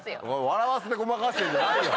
笑わせて誤魔化してんじゃないよ。